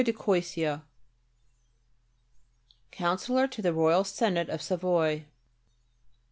de Coysia, Counsellor to the Royal Senate of Savoy.